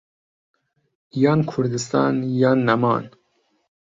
یان كوردستان یان نەمان